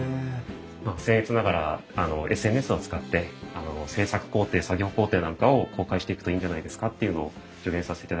まあせん越ながらＳＮＳを使って制作工程作業工程なんかを公開していくといいんじゃないですかっていうのを助言させていただきました。